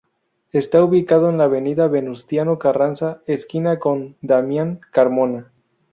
Está ubicado en la avenida Venustiano Carranza esquina con Damian Carmona.